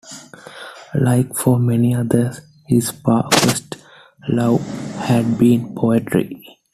Like for many others, his first love had been poetry.